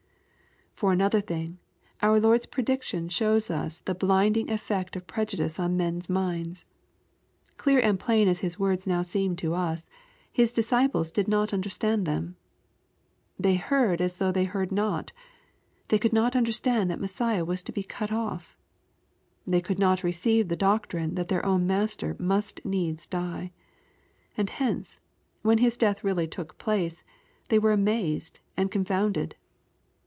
For another thing, our Lord's prediction shows us the blinding effect of prejudice on men's minds. Clear and plain as His words now seem to us. His disciples did not understand them. They heard as though they heard not. They could not understand that Messiah was to be "cut off." They could not receive the doctrine that their own Master must needs die. And hence, when His death really took place, they were amazed and con founded.